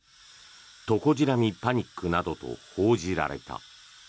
トコジラミパニックなどと報じられた。